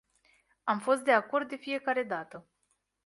Am fost de acord de fiecare dată.